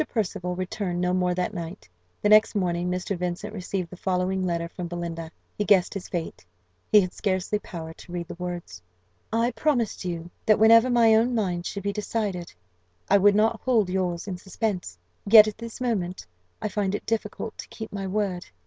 Percival returned no more that night. The next morning Mr. Vincent received the following letter from Belinda. He guessed his fate: he had scarcely power to read the words. "I promised you that, whenever my own mind should be decided, I would not hold yours in suspense; yet at this moment I find it difficult to keep my word.